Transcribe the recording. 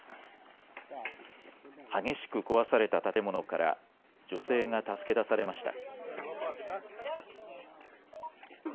激しく壊された建物から女性が助け出されました。